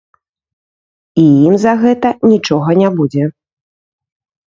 І ім за гэта нічога не будзе.